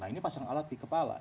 nah ini pasang alat di kepala